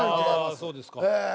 ああそうですか。